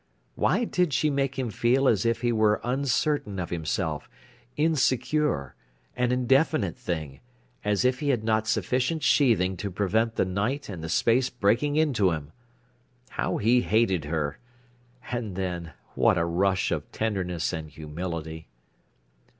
Why did she make him feel as if he were uncertain of himself, insecure, an indefinite thing, as if he had not sufficient sheathing to prevent the night and the space breaking into him? How he hated her! And then, what a rush of tenderness and humility!